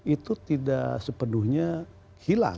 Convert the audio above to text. itu tidak sepenuhnya hilang